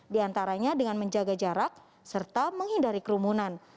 di antaranya dengan menjaga jarak serta menghindari kerumunan